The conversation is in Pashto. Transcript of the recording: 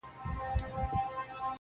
• په خامه خوله وعده پخه ستایمه,